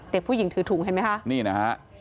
เด็กผู้หญิงถือถุงเห็นไหมคะ